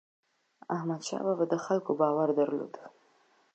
احمدشاه بابا د خلکو باور درلود.